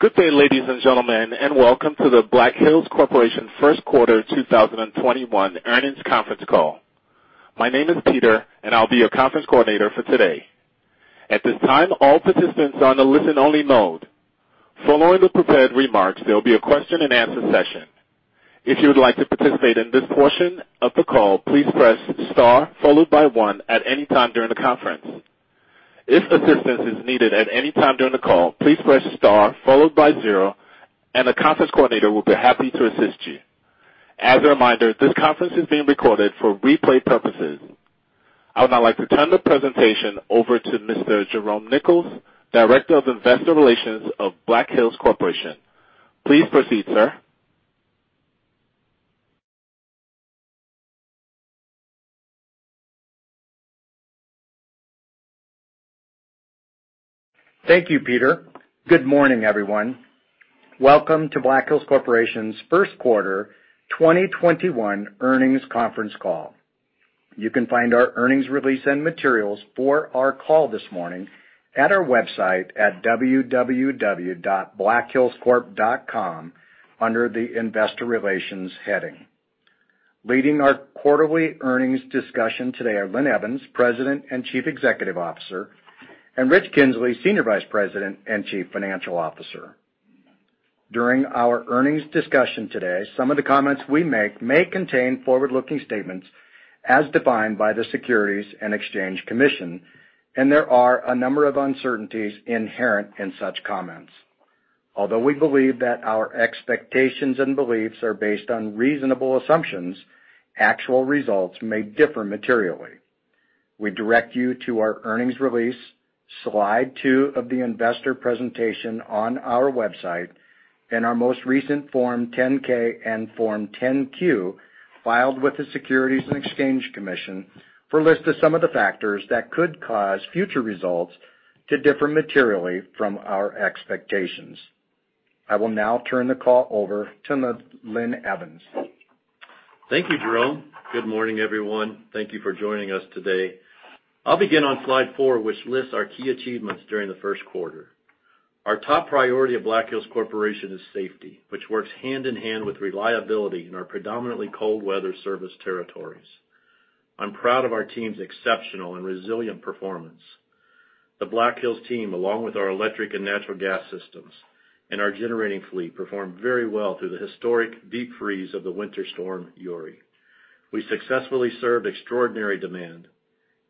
Good day, ladies and gentlemen, and welcome to the Black Hills Corporation Q1 2021 Earnings Conference Call. My name is Peter, and I'll be your conference coordinator for today. At this time, all participants are on a listen-only mode. Following the prepared remarks, there'll be a question-and-answer session. If you would like to participate in this portion of the call, please press *1 at any time during the conference. If assistance is needed at any time during the call, please press *0, and the conference coordinator will be happy to assist you. As a reminder, this conference is being recorded for replay purposes. I would now like to turn the presentation over to Mr. Jerome Nichols, Director of Investor Relations of Black Hills Corporation. Please proceed, sir. Thank you, Peter. Good morning, everyone. Welcome to Black Hills Corporation's Q1 2021 Earnings Conference Call. You can find our earnings release and materials for our call this morning at our website at www.blackhillscorp.com under the Investor Relations heading. Leading our quarterly earnings discussion today are Linn Evans, President and Chief Executive Officer, and Richard Kinzley, Senior Vice President and Chief Financial Officer. During our earnings discussion today, some of the comments we make may contain forward-looking statements as defined by the Securities and Exchange Commission, and there are a number of uncertainties inherent in such comments. Although we believe that our expectations and beliefs are based on reasonable assumptions, actual results may differ materially. We direct you to our earnings release, slide 2 of the investor presentation on our website, and our most recent Form 10-K and Form 10-Q filed with the Securities and Exchange Commission for a list of some of the factors that could cause future results to differ materially from our expectations. I will now turn the call over to Linn Evans. Thank you, Jerome. Good morning, everyone. Thank you for joining us today. I'll begin on slide 4, which lists our key achievements during the Q4. Our top priority at Black Hills Corporation is safety, which works hand-in-hand with reliability in our predominantly cold weather service territories. I'm proud of our team's exceptional and resilient performance. The Black Hills team, along with our electric and natural gas systems and our generating fleet, performed very well through the historic deep freeze of the Winter Storm Uri. We successfully served extraordinary demand,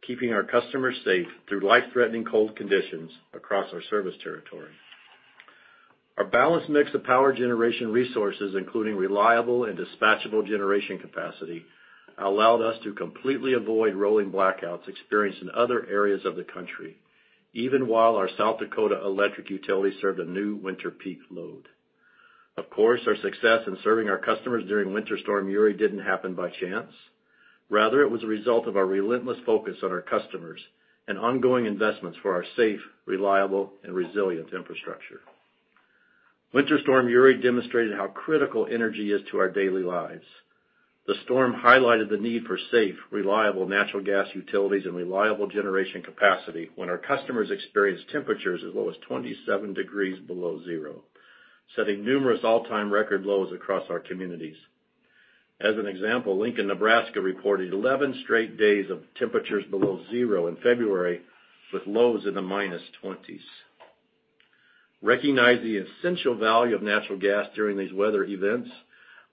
keeping our customers safe through life-threatening cold conditions across our service territory. Our balanced mix of power generation resources, including reliable and dispatchable generation capacity, allowed us to completely avoid rolling blackouts experienced in other areas of the country, even while our South Dakota Electric Utility served a new winter peak load. Of course, our success in serving our customers during Winter Storm Uri didn't happen by chance. Rather, it was a result of our relentless focus on our customers and ongoing investments for our safe, reliable, and resilient infrastructure. Winter Storm Uri demonstrated how critical energy is to our daily lives. The storm highlighted the need for safe, reliable natural gas utilities and reliable generation capacity when our customers experienced temperatures as low as 27 degrees below zero, setting numerous all-time record lows across our communities. As an example, Lincoln, Nebraska, reported 11 straight days of temperatures below zero in February, with lows in the -20s. Recognizing the essential value of natural gas during these weather events,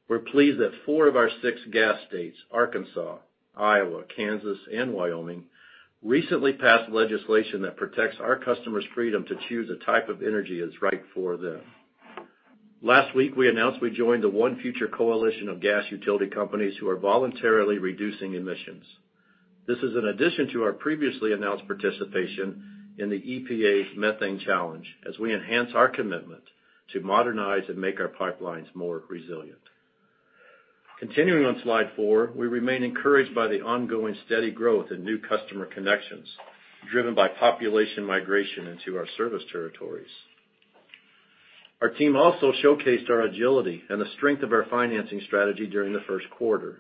we're pleased that four of our six gas states, Arkansas, Iowa, Kansas, and Wyoming, recently passed legislation that protects our customers' freedom to choose the type of energy that's right for them. Last week, we announced we joined the ONE Future Coalition of gas utility companies who are voluntarily reducing emissions. This is an addition to our previously announced participation in the EPA's Methane Challenge as we enhance our commitment to modernize and make our pipelines more resilient. Continuing on slide four, we remain encouraged by the ongoing steady growth in new customer connections, driven by population migration into our service territories. Our team also showcased our agility and the strength of our financing strategy during the Q1.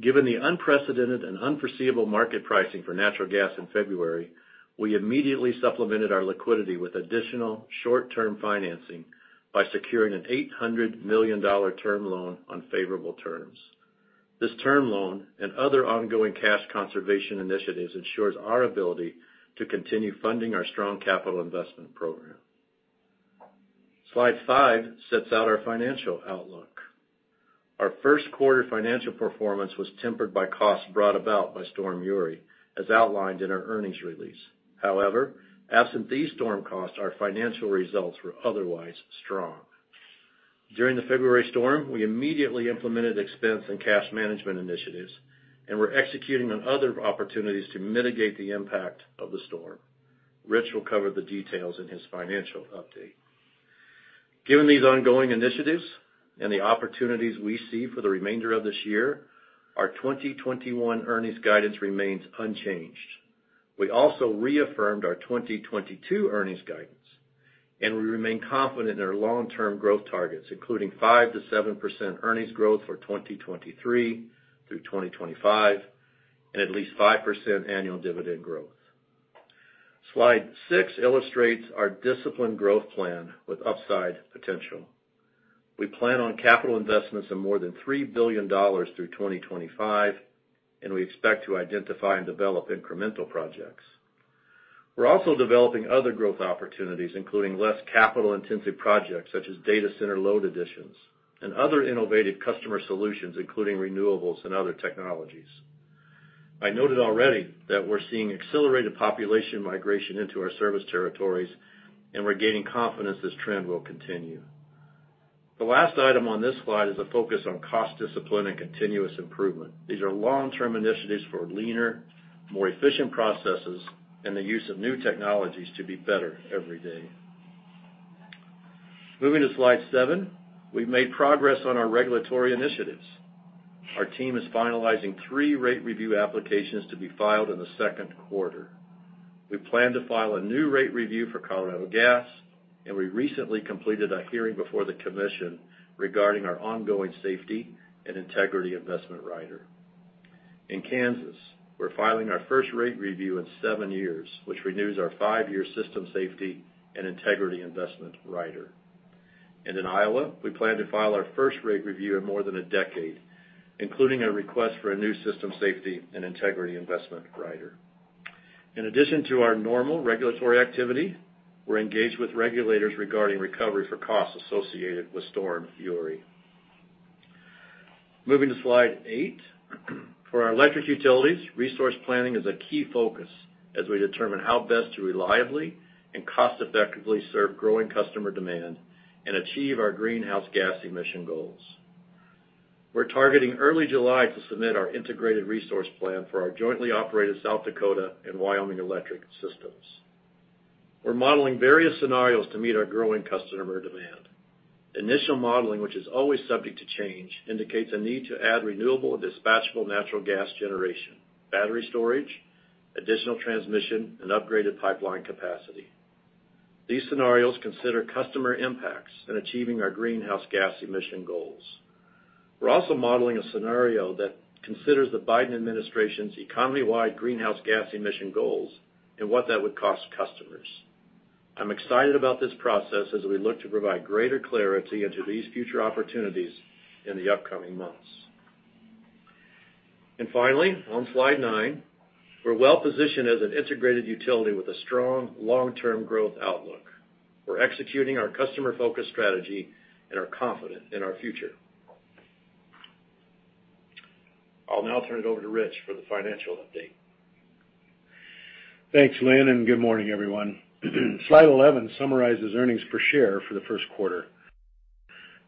Given the unprecedented and unforeseeable market pricing for natural gas in February, we immediately supplemented our liquidity with additional short-term financing by securing an $800 million term loan on favorable terms. This term loan and other ongoing cash conservation initiatives ensures our ability to continue funding our strong capital investment program. Slide 5 sets out our financial outlook. Our Q1 financial performance was tempered by costs brought about by Winter Storm Uri, as outlined in our earnings release. Absent these storm costs, our financial results were otherwise strong. During the February storm, we immediately implemented expense and cash management initiatives and were executing on other opportunities to mitigate the impact of the storm. Richard will cover the details in his financial update. Given these ongoing initiatives and the opportunities we see for the remainder of this year, our 2021 earnings guidance remains unchanged. We also reaffirmed our 2022 earnings guidance, and we remain confident in our long-term growth targets, including 5%-7% earnings growth for 2023 through 2025. At least 5% annual dividend growth. Slide 6 illustrates our disciplined growth plan with upside potential. We plan on capital investments of more than $3 billion through 2025, and we expect to identify and develop incremental projects. We're also developing other growth opportunities, including less capital-intensive projects such as data center load additions and other innovative customer solutions, including renewables and other technologies. I noted already that we're seeing accelerated population migration into our service territories, and we're gaining confidence this trend will continue. The last item on this slide is a focus on cost discipline and continuous improvement. These are long-term initiatives for leaner, more efficient processes and the use of new technologies to be better every day. Moving to slide 7. We've made progress on our regulatory initiatives. Our team is finalizing three rate review applications to be filed in the Q2. We plan to file a new rate review for Colorado Gas, and we recently completed a hearing before the commission regarding our ongoing System Safety and Integrity Investment Rider. In Kansas, we're filing our first rate review in seven years, which renews our five-year System Safety and Integrity Investment Rider. In Iowa, we plan to file our first rate review in more than a decade, including a request for a new System Safety and Integrity Investment Rider. In addition to our normal regulatory activity, we're engaged with regulators regarding recovery for costs associated with Winter Storm Uri. Moving to slide 8. For our electric utilities, resource planning is a key focus as we determine how best to reliably and cost-effectively serve growing customer demand and achieve our greenhouse gas emission goals. We're targeting early July to submit our Integrated Resource Plan for our jointly operated South Dakota and Wyoming electric systems. We're modeling various scenarios to meet our growing customer demand. Initial modeling, which is always subject to change, indicates a need to add renewable and dispatchable natural gas generation, battery storage, additional transmission, and upgraded pipeline capacity. These scenarios consider customer impacts in achieving our greenhouse gas emission goals. We're also modeling a scenario that considers the Biden administration's economy-wide greenhouse gas emission goals and what that would cost customers. I'm excited about this process as we look to provide greater clarity into these future opportunities in the upcoming months. Finally, on slide 9, we're well-positioned as an integrated utility with a strong long-term growth outlook. We're executing our customer-focused strategy and are confident in our future. I'll now turn it over to Richard for the financial update. Thanks, Linn, good morning, everyone. Slide 11 summarizes earnings per share for the Q1.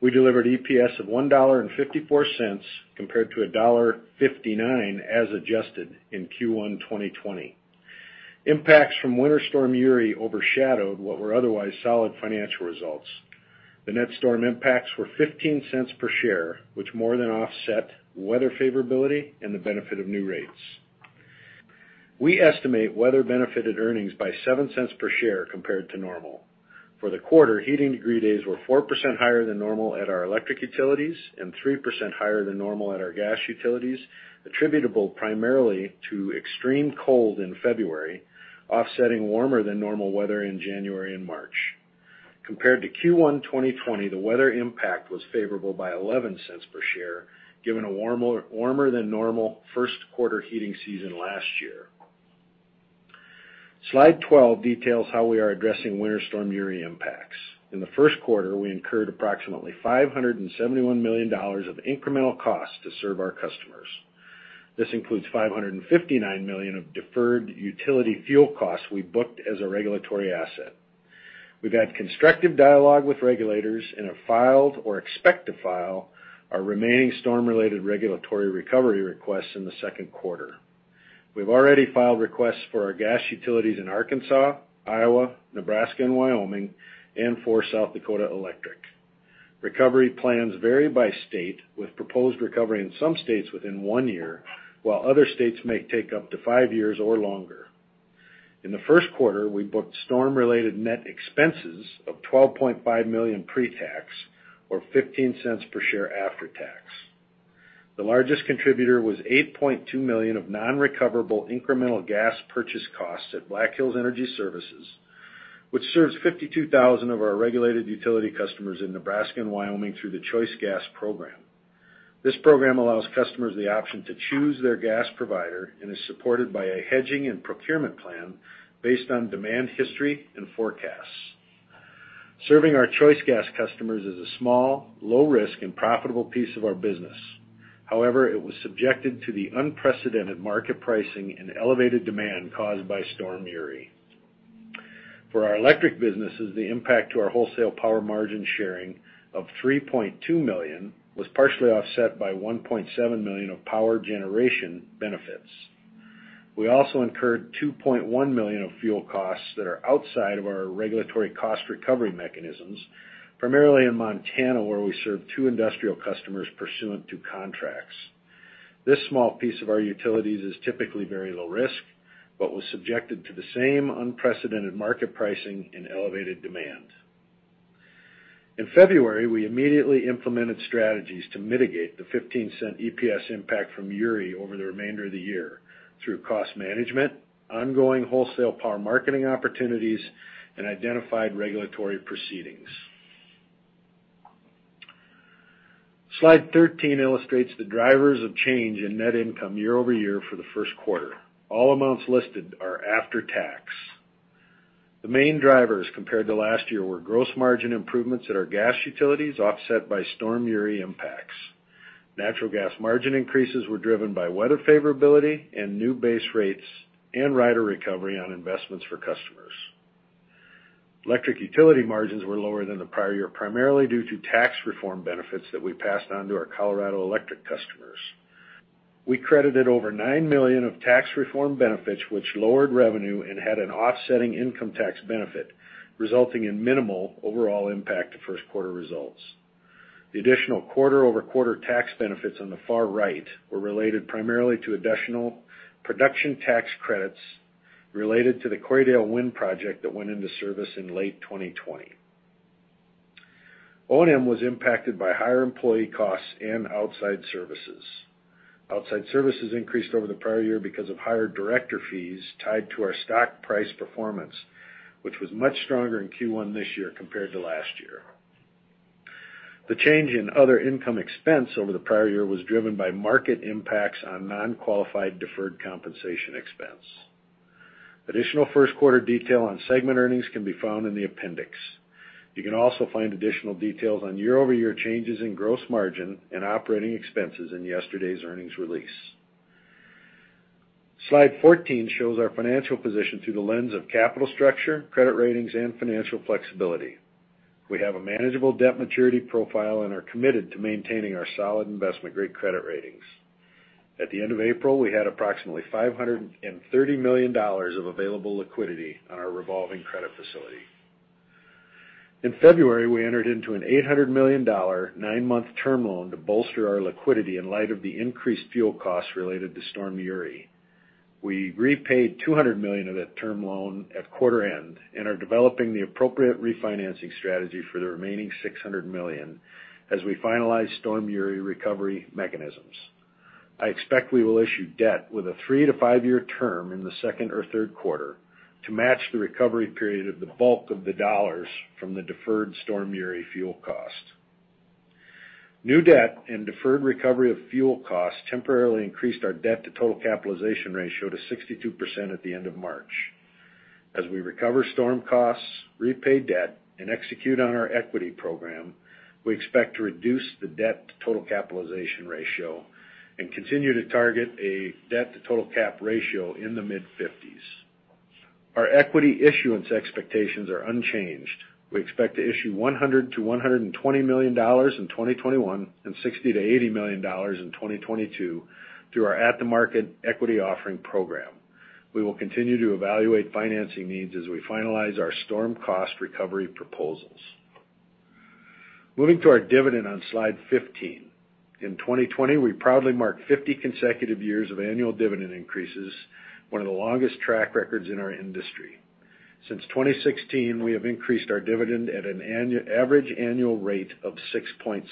We delivered EPS of $1.54 compared to $1.59 as adjusted in Q1 2020. Impacts from Winter Storm Uri overshadowed what were otherwise solid financial results. The net storm impacts were $0.15 per share, which more than offset weather favorability and the benefit of new rates. We estimate weather benefited earnings by $0.07 per share compared to normal. For the quarter, heating degree days were 4% higher than normal at our electric utilities and 3% higher than normal at our gas utilities, attributable primarily to extreme cold in February, offsetting warmer than normal weather in January and March. Compared to Q1 2020, the weather impact was favorable by $0.11 per share, given a warmer-than-normal Q1 heating season last year. Slide 12 details how we are addressing Winter Storm Uri impacts. In the Q1, we incurred approximately $571 million of incremental costs to serve our customers. This includes $559 million of deferred utility fuel costs we booked as a regulatory asset. We've had constructive dialogue with regulators and have filed or expect to file our remaining storm-related regulatory recovery requests in the Q2. We've already filed requests for our gas utilities in Arkansas, Iowa, Nebraska, and Wyoming, and for South Dakota Electric. Recovery plans vary by state, with proposed recovery in some states within one year, while other states may take up to five years or longer. In the Q1, we booked storm-related net expenses of $12.5 million pre-tax, or $0.15 per share after tax. The largest contributor was $8.2 million of non-recoverable incremental gas purchase costs at Black Hills Energy Services, which serves 52,000 of our regulated utility customers in Nebraska and Wyoming through the Choice Gas program. This program allows customers the option to choose their gas provider and is supported by a hedging and procurement plan based on demand history and forecasts. Serving our Choice Gas customers is a small, low-risk, and profitable piece of our business. However, it was subjected to the unprecedented market pricing and elevated demand caused by Winter Storm Uri. For our electric businesses, the impact to our wholesale power margin sharing of $3.2 million was partially offset by $1.7 million of power generation benefits. We also incurred $2.1 million of fuel costs that are outside of our regulatory cost recovery mechanisms, primarily in Montana, where we serve two industrial customers pursuant to contracts. This small piece of our utilities is typically very low risk but was subjected to the same unprecedented market pricing and elevated demand. In February, we immediately implemented strategies to mitigate the $0.15 EPS impact from Winter Storm Uri over the remainder of the year through cost management, ongoing wholesale power marketing opportunities, and identified regulatory proceedings. Slide 13 illustrates the drivers of change in net income year-over-year for the Q1. All amounts listed are after tax. The main drivers compared to last year were gross margin improvements at our gas utilities, offset by Winter Storm Uri impacts. Natural gas margin increases were driven by weather favorability and new base rates and rider recovery on investments for customers. Electric utility margins were lower than the prior year, primarily due to tax reform benefits that we passed on to our Colorado Electric customers. We credited over $9 million of tax reform benefits, which lowered revenue and had an offsetting income tax benefit, resulting in minimal overall impact to Q1 results. The additional quarter-over-quarter tax benefits on the far right were related primarily to additional Production Tax Credits related to the Corriedale Wind Energy Project that went into service in late 2020. O&M was impacted by higher employee costs and outside services. Outside services increased over the prior year because of higher director fees tied to our stock price performance, which was much stronger in Q1 this year compared to last year. The change in other income expense over the prior year was driven by market impacts on non-qualified deferred compensation expense. Additional Q1 detail on segment earnings can be found in the appendix. You can also find additional details on year-over-year changes in gross margin and operating expenses in yesterday's earnings release. Slide 14 shows our financial position through the lens of capital structure, credit ratings, and financial flexibility. We have a manageable debt maturity profile and are committed to maintaining our solid investment-grade credit ratings. At the end of April, we had approximately $530 million of available liquidity on our revolving credit facility. In February, we entered into an $800 million nine-month term loan to bolster our liquidity in light of the increased fuel costs related to Winter Storm Uri. We repaid $200 million of that term loan at quarter end and are developing the appropriate refinancing strategy for the remaining $600 million as we finalize Winter Storm Uri recovery mechanisms. I expect we will issue debt with a 3- to 5-year term in the Q2 or Q3 to match the recovery period of the bulk of the dollars from the deferred Winter Storm Uri fuel cost. New debt and deferred recovery of fuel costs temporarily increased our debt to total capitalization ratio to 62% at the end of March. As we recover storm costs, repay debt, and execute on our equity program, we expect to reduce the debt to total capitalization ratio and continue to target a debt to total cap ratio in the mid-50s. Our equity issuance expectations are unchanged. We expect to issue $100 million-$120 million in 2021 and $60 million-$80 million in 2022 through our at-the-market equity offering program. We will continue to evaluate financing needs as we finalize our storm cost recovery proposals. Moving to our dividend on slide 15. In 2020, we proudly marked 50 consecutive years of annual dividend increases, one of the longest track records in our industry. Since 2016, we have increased our dividend at an average annual rate of 6.6%.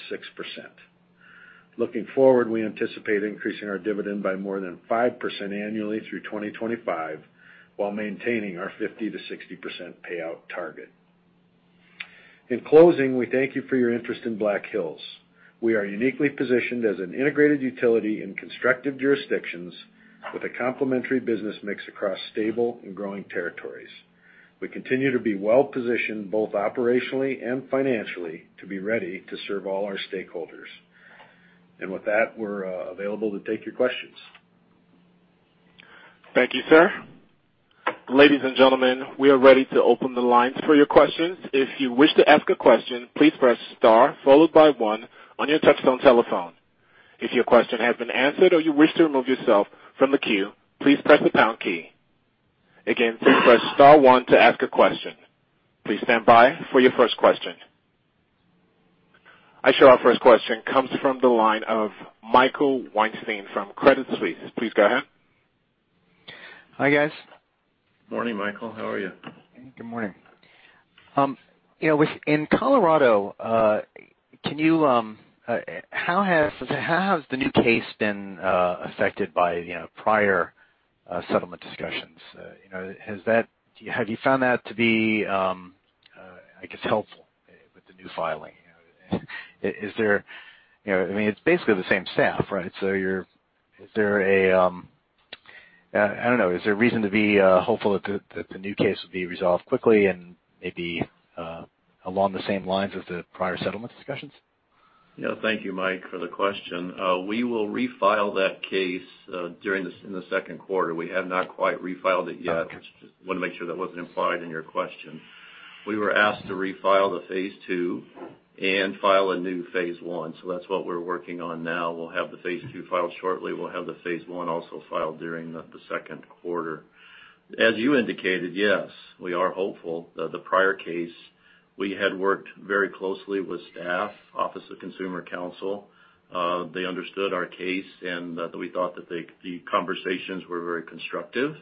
Looking forward, we anticipate increasing our dividend by more than 5% annually through 2025 while maintaining our 50%-60% payout target. In closing, we thank you for your interest in Black Hills. We are uniquely positioned as an integrated utility in constructive jurisdictions with a complementary business mix across stable and growing territories. We continue to be well-positioned, both operationally and financially, to be ready to serve all our stakeholders. With that, we're available to take your questions. Thank you, sir. Ladies and gentlemen, we are ready to open the lines for your questions. If you wish to ask a question, please press *1 on your touchtone telephone. If your question has been answered or you wish to remove yourself from the queue, please press the # key. Again, please press *1 to ask a question. Please stand by for your first question. I show our first question comes from the line of Michael Weinstein from Credit Suisse. Please go ahead. Hi, guys. Morning, Michael. How are you? In Colorado, how has the new case been affected by prior settlement discussions? Have you found that to be helpful with the new filing? It's basically the same staff, right? Is there a reason to be hopeful that the new case will be resolved quickly and maybe along the same lines as the prior settlement discussions? Thank you, Mike, for the question. We will refile that case in the Q2. We have not quite refiled it yet. Just want to make sure that wasn't implied in your question. We were asked to refile the Phase 2 and file a new Phase 1. That's what we're working on now. We'll have the Phase 2 filed shortly. We'll have the Phase 1 also filed during the Q2. As you indicated, yes, we are hopeful that the prior case, we had worked very closely with staff, Office of Consumer Counsel. They understood our case, and we thought that the conversations were very constructive.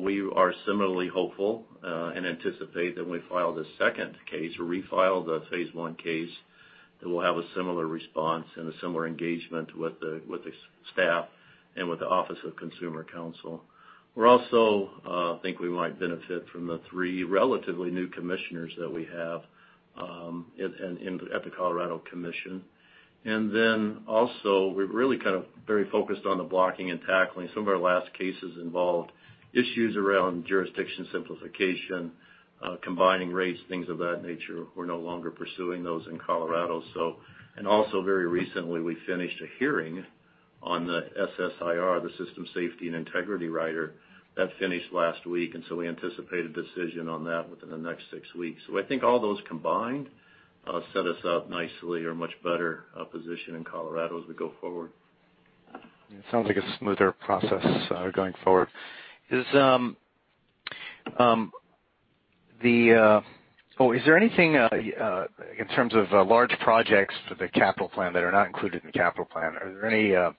We are similarly hopeful, and anticipate that when we file the second case, refile the Phase 1 case, that we'll have a similar response and a similar engagement with the staff and with the Office of Consumer Counsel. We also think we might benefit from the three relatively new commissioners that we have at the Colorado Commission. Also, we're really kind of very focused on the blocking and tackling. Some of our last cases involved issues around jurisdiction simplification, combining rates, things of that nature. We're no longer pursuing those in Colorado. Also very recently, we finished a hearing on the SSIR, the System Safety and Integrity Rider. That finished last week. We anticipate a decision on that within the next six weeks. I think all those combined set us up nicely or much better positioned in Colorado as we go forward. It sounds like a smoother process going forward. Is there anything in terms of large projects for the capital plan that are not included in the capital plan? Are there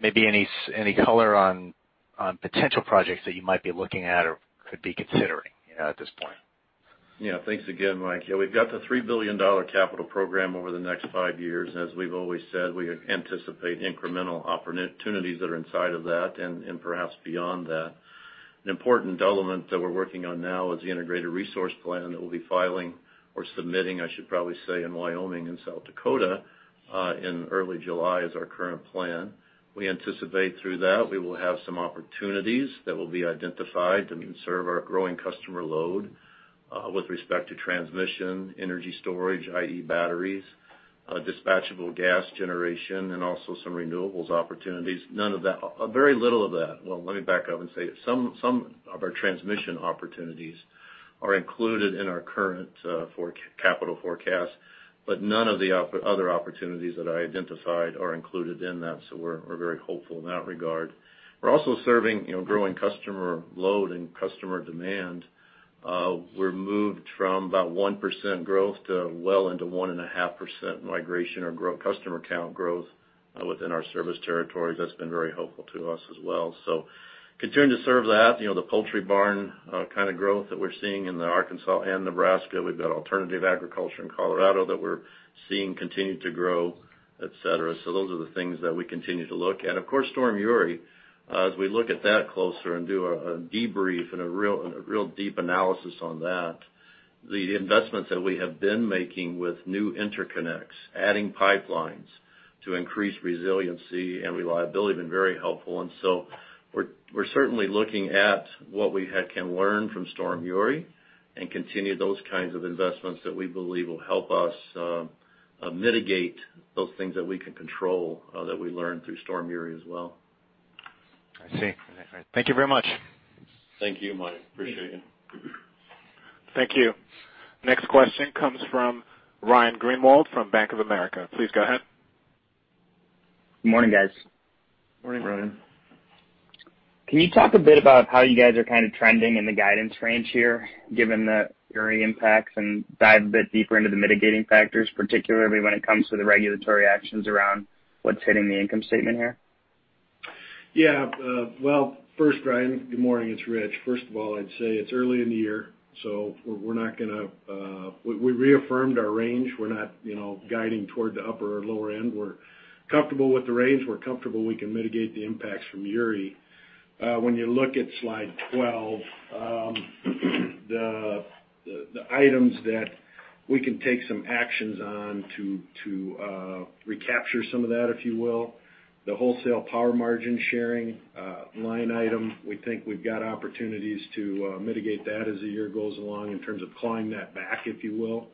maybe any color on potential projects that you might be looking at or could be considering at this point? Yeah. Thanks again, Mike. Yeah, we've got the $3 billion capital program over the next five years. As we've always said, we anticipate incremental opportunities that are inside of that and perhaps beyond that. An important element that we're working on now is the Integrated Resource Plan that we'll be filing or submitting, I should probably say, in Wyoming and South Dakota, in early July is our current plan. We anticipate through that we will have some opportunities that will be identified to serve our growing customer load, with respect to transmission, energy storage, i.e., batteries, dispatchable gas generation, and also some renewables opportunities. None of that, very little of that. Well, let me back up and say that some of our transmission opportunities are included in our current capital forecast, but none of the other opportunities that I identified are included in that, so we're very hopeful in that regard. We're also serving growing customer load and customer demand. We're moved from about 1% growth to well into 1.5% migration or customer count growth within our service territories. That's been very helpful to us as well. Continue to serve that. The poultry barn kind of growth that we're seeing in Arkansas and Nebraska. We've got alternative agriculture in Colorado that we're seeing continue to grow, et cetera. Those are the things that we continue to look at. Winter Storm Uri, as we look at that closer and do a debrief and a real deep analysis on that, the investments that we have been making with new interconnects, adding pipelines to increase resiliency and reliability, have been very helpful. We're certainly looking at what we can learn from Winter Storm Uri and continue those kinds of investments that we believe will help us mitigate those things that we can control, that we learned through Winter Storm Uri as well. I see. Thank you very much. Thank you, Mike. Appreciate it. Thank you. Next question comes from Ryan Greenwald from Bank of America. Please go ahead. Good morning, guys. Morning, Ryan. Can you talk a bit about how you guys are kind of trending in the guidance range here, given the Winter Storm Uri impacts, and dive a bit deeper into the mitigating factors, particularly when it comes to the regulatory actions around what's hitting the income statement here? First, Ryan Greenwald, good morning. It's Richard. First of all, I'd say it's early in the year. We reaffirmed our range. We're not guiding toward the upper or lower end. We're comfortable with the range. We're comfortable we can mitigate the impacts from Winter Storm Uri. When you look at slide 12, the items that we can take some actions on to recapture some of that, if you will, the wholesale power margin sharing line item, we think we've got opportunities to mitigate that as the year goes along in terms of clawing that back, if you will.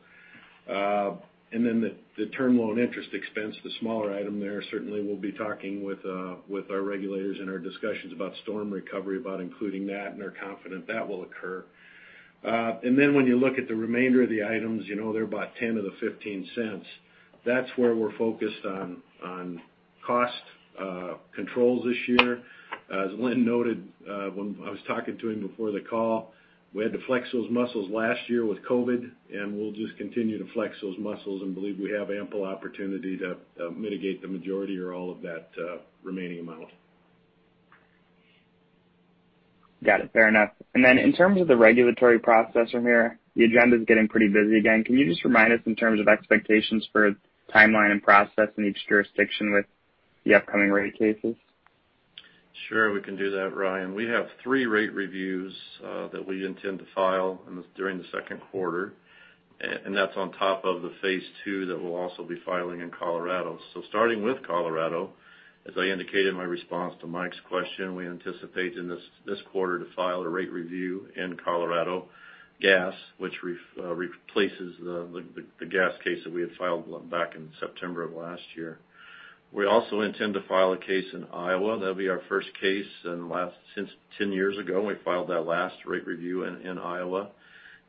The term loan interest expense, the smaller item there, certainly we'll be talking with our regulators in our discussions about storm recovery, about including that, and are confident that will occur. When you look at the remainder of the items, they're about $0.10 of the $0.15. That's where we're focused on cost controls this year. As Linn noted, when I was talking to him before the call, we had to flex those muscles last year with COVID, and we'll just continue to flex those muscles and believe we have ample opportunity to mitigate the majority or all of that remaining amount. Got it. Fair enough. In terms of the regulatory process from here, the agenda's getting pretty busy again. Can you just remind us in terms of expectations for timeline and process in each jurisdiction with the upcoming rate cases? Sure, we can do that, Ryan. We have three rate reviews that we intend to file during the Q2, that's on top of the Phase 2 that we'll also be filing in Colorado. Starting with Colorado, as I indicated in my response to Mike's question, we anticipate in this quarter to file a rate review in Colorado Gas, which replaces the gas case that we had filed back in September of last year. We also intend to file a case in Iowa. That'll be our first case since 10 years ago, we filed that last rate review in Iowa.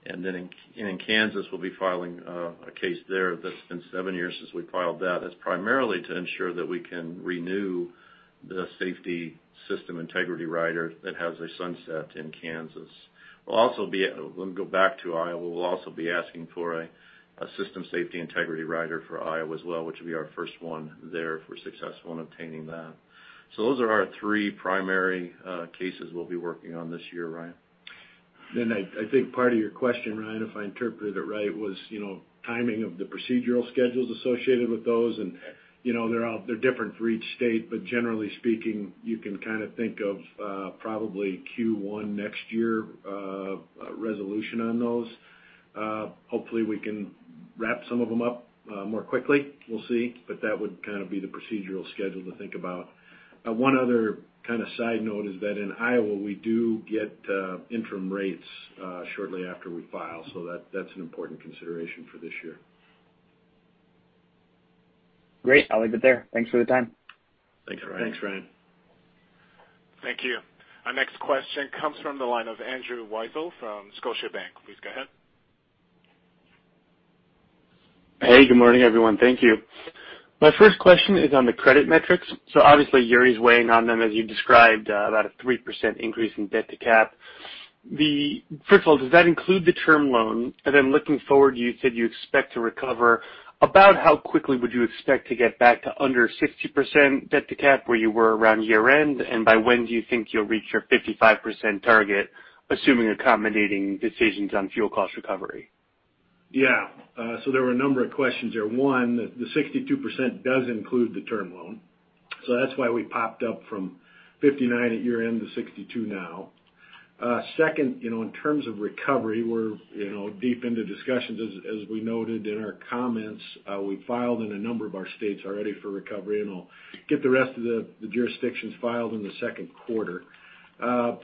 Then in Kansas, we'll be filing a case there that's been seven years since we filed that. That's primarily to ensure that we can renew the System Safety and Integrity Rider that has a sunset in Kansas. Let me go back to Iowa. We'll also be asking for a System Safety and Integrity Rider for Iowa as well, which will be our first one there if we're successful in obtaining that. Those are our three primary cases we'll be working on this year, Ryan. I think part of your question, Ryan, if I interpreted it right, was timing of the procedural schedules associated with those. They're different for each state. Generally speaking, you can kind of think of probably Q1 next year resolution on those. Hopefully, we can wrap some of them up more quickly. We'll see. That would kind of be the procedural schedule to think about. One other kind of side note is that in Iowa, we do get interim rates shortly after we file. That's an important consideration for this year. Great. I'll leave it there. Thanks for the time. Thanks, Ryan. Thanks, Ryan. Thank you. Our next question comes from the line of Andrew Weisel from Scotiabank. Please go ahead. Hey, good morning, everyone. Thank you. My first question is on the credit metrics. Obviously, Uri's weighing on them, as you described, about a 3% increase in debt to cap. First of all, does that include the term loan? Then looking forward, you said you expect to recover, about how quickly would you expect to get back to under 60% debt to cap where you were around year-end? By when do you think you'll reach your 55% target, assuming accommodating decisions on fuel cost recovery? Yeah. There were a number of questions there. One, the 62% does include the term loan. That's why we popped up from 59 at year-end to 62 now. Second, in terms of recovery, we're deep into discussions. As we noted in our comments, we filed in a number of our states already for recovery, and I'll get the rest of the jurisdictions filed in the Q2.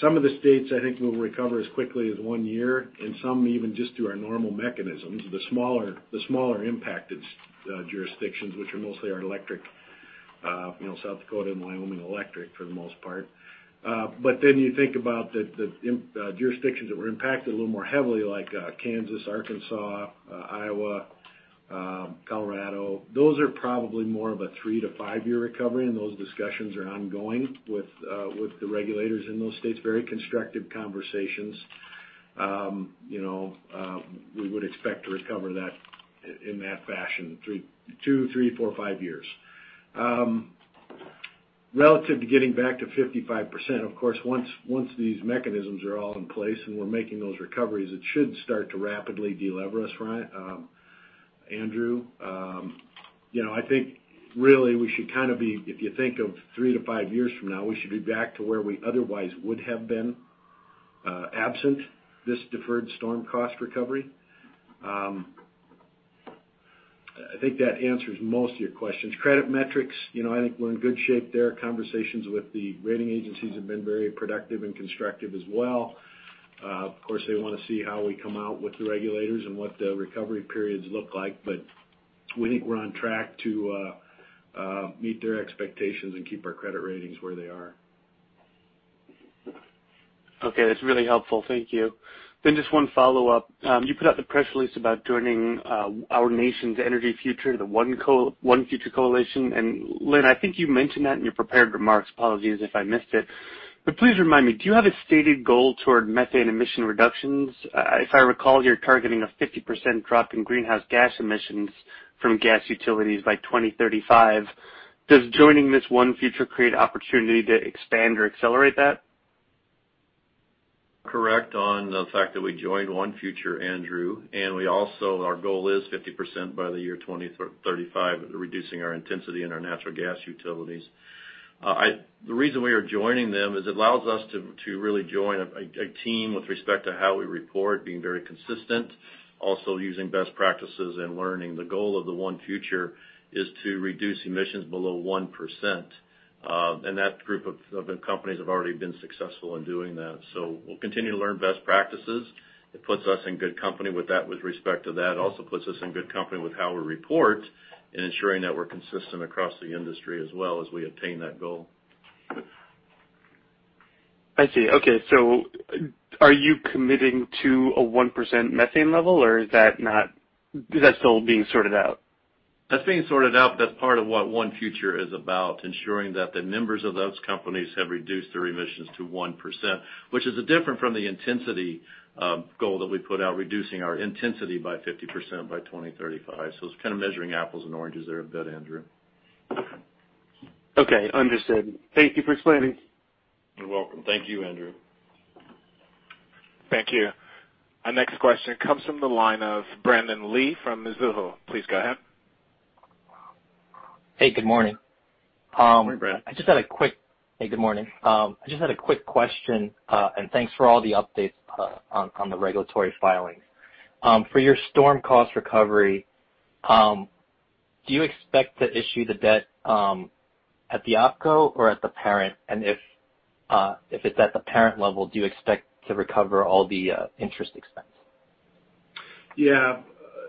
Some of the states, I think we'll recover as quickly as one year, and some even just through our normal mechanisms. The smaller impacted jurisdictions, which are mostly our electric, South Dakota and Wyoming Electric, for the most part. You think about the jurisdictions that were impacted a little more heavily, like Kansas, Arkansas, Iowa, Colorado. Those are probably more of a 3- to 5-year recovery, and those discussions are ongoing with the regulators in those states. Very constructive conversations. We would expect to recover that in that fashion, two, three, four, five years. Relative to getting back to 55%, of course, once these mechanisms are all in place and we're making those recoveries, it should start to rapidly de-lever us, Andrew. I think really we should kind of be, if you think of three to five years from now, we should be back to where we otherwise would have been, absent this deferred storm cost recovery. I think that answers most of your questions. Credit metrics, I think we're in good shape there. Conversations with the rating agencies have been very productive and constructive as well. Of course, they want to see how we come out with the regulators and what the recovery periods look like, but we think we're on track to meet their expectations and keep our credit ratings where they are. Okay. That's really helpful. Thank you. Just one follow-up. You put out the press release about joining our nation's energy future, the ONE Future Coalition, and Linn, I think you mentioned that in your prepared remarks. Apologies if I missed it. Please remind me, do you have a stated goal toward methane emission reductions? If I recall, you're targeting a 50% drop in greenhouse gas emissions from gas utilities by 2035. Does joining this ONE Future create opportunity to expand or accelerate that? Correct on the fact that we joined ONE Future, Andrew. Our goal is 50% by the year 2035, reducing our intensity in our natural gas utilities. The reason we are joining them is it allows us to really join a team with respect to how we report being very consistent, also using best practices and learning. The goal of the ONE Future is to reduce emissions below 1%, and that group of companies have already been successful in doing that. We'll continue to learn best practices. It puts us in good company with that with respect to that. Also puts us in good company with how we report in ensuring that we're consistent across the industry as well as we attain that goal. I see. Okay. Are you committing to a 1% methane level, or is that still being sorted out? That's being sorted out, but that's part of what ONE Future is about, ensuring that the members of those companies have reduced their emissions to 1%, which is different from the intensity goal that we put out, reducing our intensity by 50% by 2035. It's kind of measuring apples and oranges there a bit, Andrew. Okay. Understood. Thank you for explaining. You're welcome. Thank you, Andrew. Thank you. Our next question comes from the line of Brandon Lee from Mizuho. Please go ahead. Hey, good morning. Good morning, Brandon. Hey, good morning. I just had a quick question, and thanks for all the updates on the regulatory filings. For your storm cost recovery, do you expect to issue the debt at the OpCo or at the parent? If it's at the parent level, do you expect to recover all the interest expense?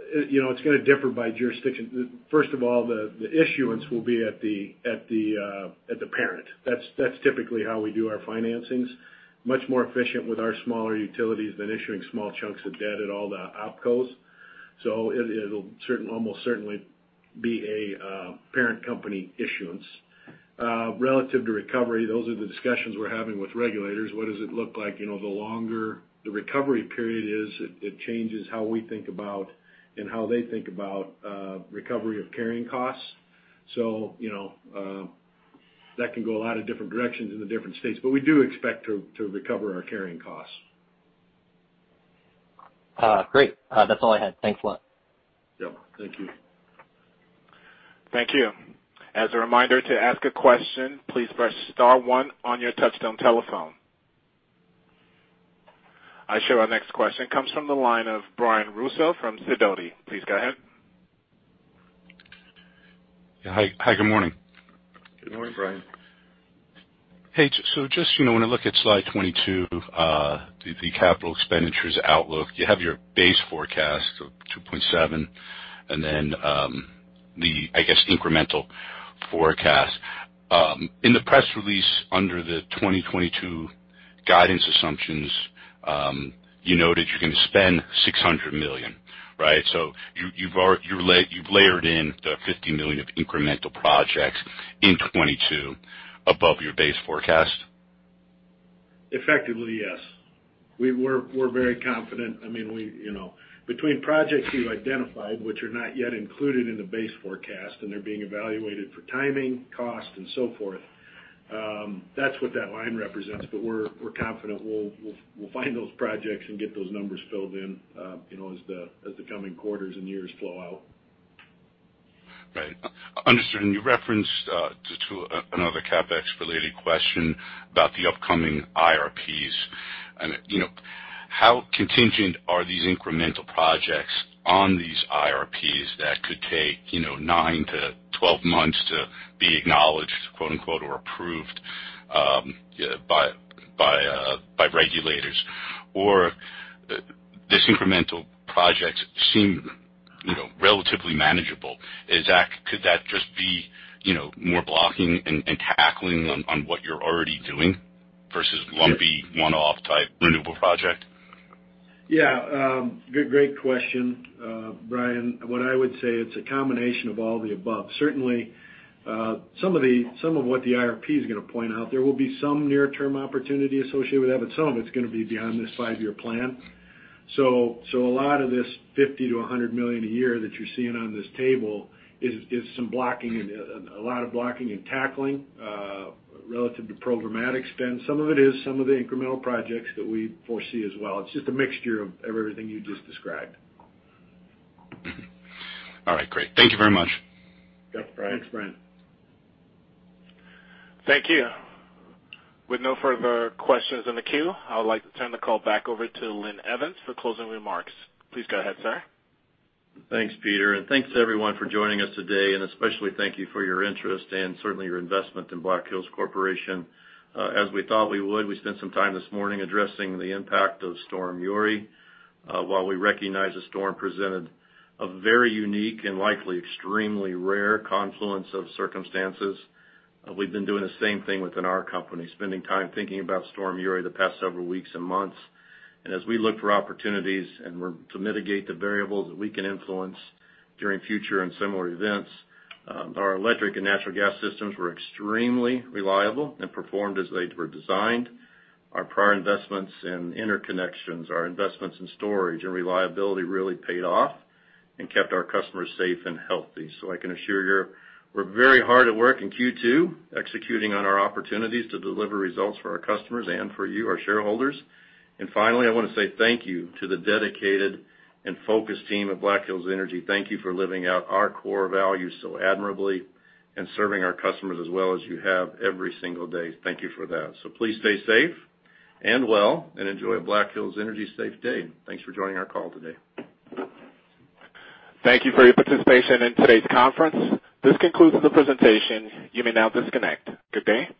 It's going to differ by jurisdiction. First of all, the issuance will be at the parent. That's typically how we do our financings. Much more efficient with our smaller utilities than issuing small chunks of debt at all the OpCos. It'll almost certainly be a parent company issuance. Relative to recovery, those are the discussions we're having with regulators. What does it look like? The longer the recovery period is, it changes how we think about and how they think about recovery of carrying costs. That can go a lot of different directions in the different states. We do expect to recover our carrying costs. Great. That's all I had. Thanks a lot. Yeah, thank you. Thank you. I show our next question comes from the line of Brian Russo from Sidoti. Please go ahead. Yeah, hi. Good morning. Good morning, Brian. Hey, just when I look at slide 22, the capital expenditures outlook, you have your base forecast of $2.7 billion and the, I guess, incremental forecast. In the press release under the 2022 guidance assumptions, you noted you're going to spend $600 million, right? You've layered in the $50 million of incremental projects in 2022 above your base forecast. Effectively, yes. We're very confident. Between projects you identified, which are not yet included in the base forecast, and they're being evaluated for timing, cost, and so forth, that's what that line represents. We're confident we'll find those projects and get those numbers filled in as the coming quarters and years flow out. Right. Understood. You referenced to another CapEx-related question about the upcoming IRPs, and how contingent are these incremental projects on these IRPs that could take 9-12 months to be acknowledged, quote-unquote, or approved by regulators? The incremental projects seem relatively manageable. Could that just be more blocking and tackling on what you're already doing versus lumpy one-off type renewable project? Great question, Brian. What I would say, it's a combination of all the above. Certainly, some of what the IRP is going to point out, there will be some near-term opportunity associated with that, but some of it's going to be beyond this five-year plan. A lot of this $50 million-$100 million a year that you're seeing on this table is a lot of blocking and tackling relative to programmatic spend. Some of it is some of the incremental projects that we foresee as well. It's just a mixture of everything you just described. All right, great. Thank you very much. Thanks, Brian. Thanks, Brian. Thank you. With no further questions in the queue, I would like to turn the call back over to Linn Evans for closing remarks. Please go ahead, sir. Thanks, Peter, and thanks everyone for joining us today, and especially thank you for your interest and certainly your investment in Black Hills Corporation. As we thought we would, we spent some time this morning addressing the impact of Winter Storm Uri. While we recognize the storm presented a very unique and likely extremely rare confluence of circumstances, we've been doing the same thing within our company, spending time thinking about Winter Storm Uri the past several weeks and months. As we look for opportunities to mitigate the variables that we can influence during future and similar events, our electric and natural gas systems were extremely reliable and performed as they were designed. Our prior investments in interconnections, our investments in storage and reliability really paid off and kept our customers safe and healthy. I can assure you we're very hard at work in Q2 executing on our opportunities to deliver results for our customers and for you, our shareholders. Finally, I want to say thank you to the dedicated and focused team at Black Hills Energy. Thank you for living out our core values so admirably and serving our customers as well as you have every single day. Thank you for that. Please stay safe and well, and enjoy a Black Hills Energy safe day. Thanks for joining our call today. Thank you for your participation in today's conference. This concludes the presentation. You may now disconnect. Good day.